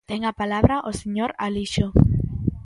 Ten a palabra o señor Alixo.